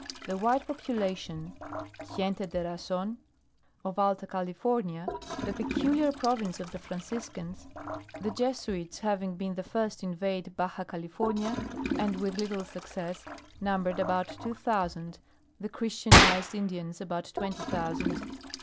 The white population "gente de razon" of Alta California, the peculiar province of the Franciscans the Jesuits having been the first to invade Baja California, and with little success numbered about two thousand, the Christianized Indians about twenty thousand.